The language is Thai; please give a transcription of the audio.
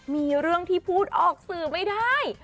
มีเรื่องที่พูดออกสื่อไม่ได้